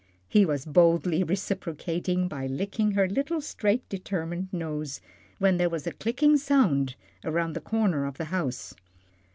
He was boldly reciprocating, by licking her little, straight, determined nose, when there was a clicking sound around the corner of the house.